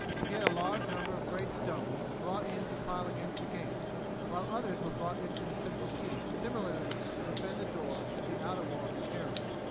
He had a large number of great stones brought in to pile against the gate, while others were brought into the central keep, similarly to defend the door should the outer wall be carried.